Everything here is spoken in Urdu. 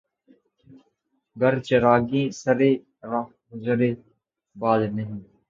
گر چراغانِ سرِ رہ گزرِ باد نہیں